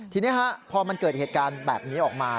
ทีนี้พอมันเกิดเหตุการณ์แบบนี้ออกมา